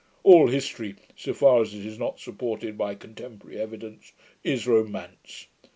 All history, so far as it is not supported by contemporary evidence, is romance